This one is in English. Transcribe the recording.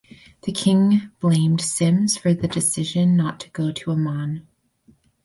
The King blamed Symmes for the decision not to go to Amman.